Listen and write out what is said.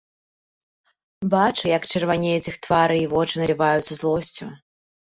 Бачу, як чырванеюць іх твары і вочы наліваюцца злосцю.